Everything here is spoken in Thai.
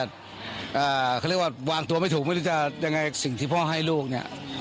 เขาเรียกว่าวางตัวไม่ถูกไม่รู้จะยังไงสิ่งที่พ่อให้ลูกเนี่ย